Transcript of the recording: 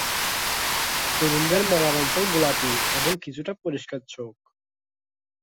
তরুণদের মালার অঞ্চল গোলাপী এবং কিছুটা পরিষ্কার চোখ।